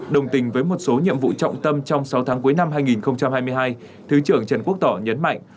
đồng tình với một số nhiệm vụ trọng tâm trong sáu tháng cuối năm hai nghìn hai mươi hai thứ trưởng trần quốc tỏ nhấn mạnh